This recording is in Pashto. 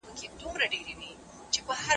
سره له دې وياړونو ډېر افغانان هغه ښه نه پېژني.